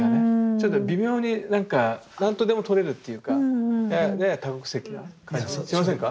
ちょっと微妙になんか何とでもとれるっていうかやや多国籍な感じしませんか？